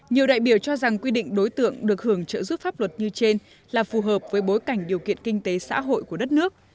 nhiều đại biểu cho rằng quy định đối tượng được hưởng trợ giúp pháp luật như trên là phù hợp với bối cảnh điều kiện kinh tế xã hội của đất nước